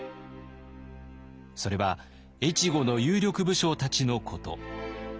それは越後の有力武将たちのこと。